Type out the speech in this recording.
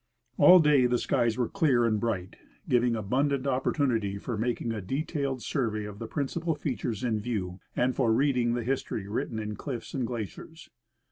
All clay the skies were clear and l^right, giving abundant op portunity for making a detailed survey of the principal features in view, and for reading the history written in cliffs and glaciers.